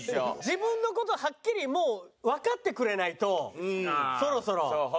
自分の事はっきりもうわかってくれないとそろそろ。